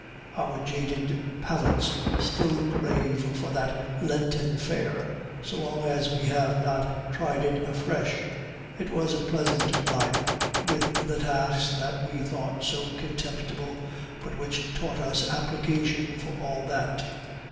Our jaded palates still crave for that Lenten fare, so long as we have not tried it afresh. It was a pleasant life, with the tasks that we thought so contemptible, but which taught us application for all that...."